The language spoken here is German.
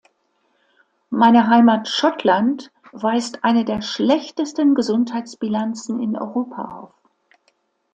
Meine Heimat Schottland weist eine der schlechtesten Gesundheitsbilanzen in Europa auf.